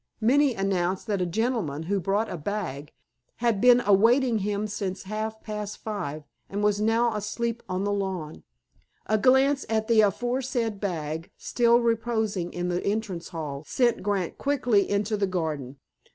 Minnie announced that a gentleman "who brought a bag" had been awaiting him since half past five, and was now asleep on the lawn! A glance at the aforesaid bag, still reposing in the entrance hall, sent Grant quickly into the garden.